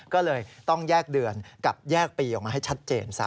ก็เลยต้องแยกเดือนกับแยกปีออกมาให้ชัดเจนซะ